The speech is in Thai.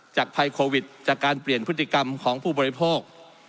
ภัยโควิดจากการเปลี่ยนพฤติกรรมของผู้บริโภค